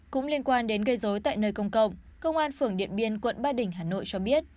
cũng liên quan đến gây dối tại nơi công cộng công an phường điện biên quận ba đình hà nội cho biết